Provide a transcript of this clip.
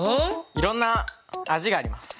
いろんな味があります。